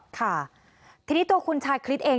ทีนี้ตัวคุณชายคลิตเอง